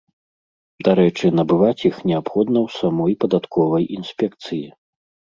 Дарэчы, набываць іх неабходна ў самой падатковай інспекцыі.